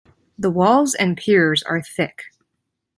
The walls and piers are thick.